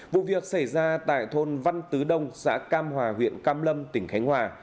vụ việc xảy ra tại thôn văn tứ đông xã cam hòa huyện cam lâm tỉnh khánh hòa